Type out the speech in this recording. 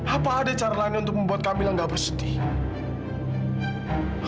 apa ada cara lain untuk membuat kamilah gak bersedih